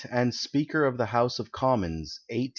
and Speaker of the House of Commons, 1884 95.